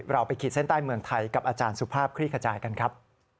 ไปขีดเส้นใต้เมืองไทยกับอาจารย์สุภาพคลี่ขจายกันครับ